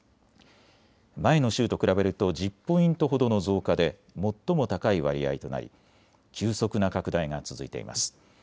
前の週と比べると１０ポイントほどの増加で最も高い割合となり急速な拡大が続いています。